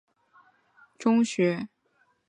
穆勒在这里上小学和中学。